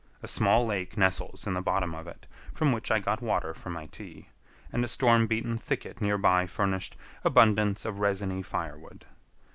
A small lake nestles in the bottom of it, from which I got water for my tea, and a storm beaten thicket near by furnished abundance of resiny fire wood.